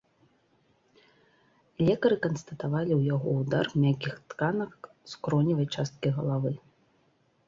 Лекары канстатавалі у яго удар мяккіх тканак скроневай часткі галавы.